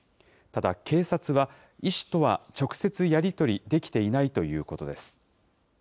ただ、警察は、医師とは直接やり取りできていないということです。